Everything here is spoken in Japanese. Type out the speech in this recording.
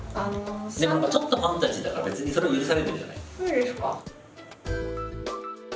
でも何かちょっとファンタジーだから別にそれは許されるんじゃない？